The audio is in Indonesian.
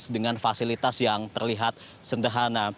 dengan fasilitas yang terlihat sederhana